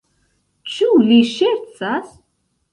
Ĉu li ŝercas?